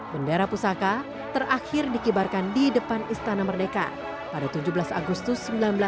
bendera pusaka terakhir dikibarkan di depan istana merdeka pada tujuh belas agustus seribu sembilan ratus empat puluh